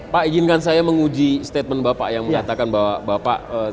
pak izinkan saya menguji statement bapak yang mengatakan bahwa bapak